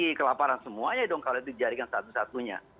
jadi kelaparan semuanya dong kalau itu dijadikan satu satunya